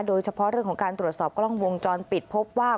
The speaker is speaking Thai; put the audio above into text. โดยเฉพาะเรื่องของการตรวจสอบกล้องวงจรปิดพบว่า